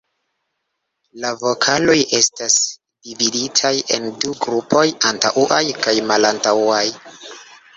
La vokaloj estas dividitaj en du grupoj: antaŭaj kaj malantaŭaj.